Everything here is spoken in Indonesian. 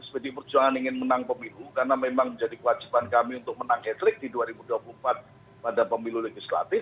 pdi perjuangan ingin menang pemilu karena memang menjadi kewajiban kami untuk menang hatleck di dua ribu dua puluh empat pada pemilu legislatif